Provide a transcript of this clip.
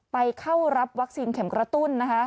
ไปเข้ารับวัคซีนเข็มกระตุ้น